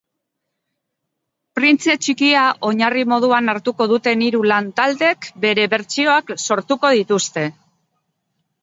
Printze txikia oinarri moduan hartuko duten hiru lantaldek bere bertsioak sortuko dituzte.